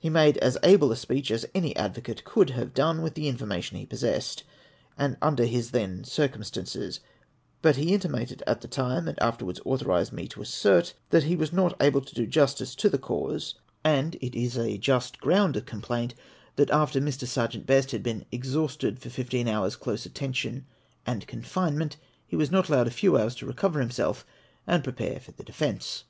He made as able a speech as any advocate could have done, with the information he possessed, and under his then circumstances ; but he intimated at the time, and after wards authorised me to assert, that he was not able to do justice to the cause ; and it is a just ground of complaint, G G 4 456 APPENDIX XIII. that after Mr. Serjeant Best had been exhausted by fifteen lionrs' close attention and confinement, he was not allowed a few hours to recover hmiself and prepare for the defence.